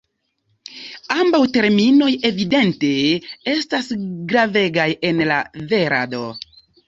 Ambaŭ terminoj evidente estas gravegaj en la velado.